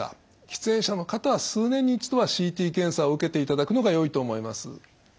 喫煙者の方は数年に一度はＣＴ検査を受けていただくのがよいと思います。